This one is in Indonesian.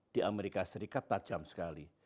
di amerika serikat tajam sekali